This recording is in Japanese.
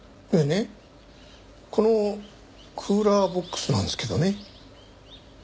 いやねこのクーラーボックスなんですけどね。